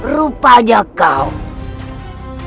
rupanya kau kita